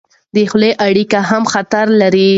د خولې اړیکه هم خطر لري.